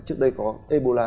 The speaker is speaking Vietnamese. trước đây có ebola